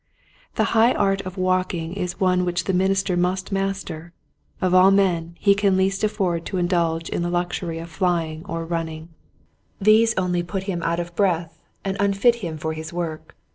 The high art of walking is one which the minister must master. Of all men he can least afford to indulge in the luxury of flying or running. These only put him out of breath and unfit him for his work.